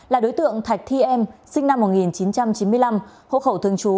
là đối tượng thạch thi em sinh năm một nghìn chín trăm chín mươi năm hộ khẩu thường trú